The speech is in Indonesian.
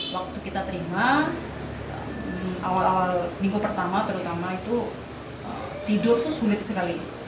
waktu kita terima awal awal minggu pertama terutama itu tidur itu sulit sekali